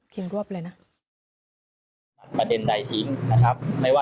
ขึ้นรวบเลยนะ